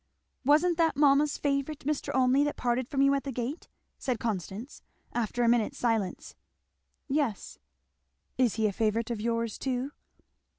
"Wasn't that mamma's favourite Mr. Olmney that parted from you at the gate?" said Constance after a minute's silence. "Yes." "Is he a favourite of yours too?"